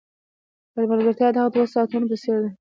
ملګرتیا د هغو دوو ساعتونو په څېر ده.